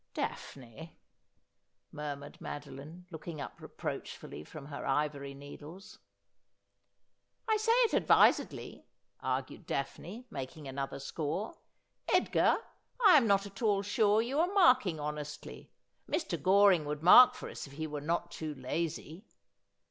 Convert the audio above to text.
'Daphne!' murmured Madeline, looking up reproachfully from her ivory needles. 'I say it advisedly,' argued Daphne, making another score. 'Edgar, I am not at all sure you are marking honestly. Mr. Goring would mark for us if he were not too lazy.'